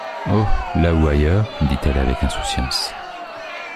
Oh! là ou ailleurs, dit-elle avec insouciance.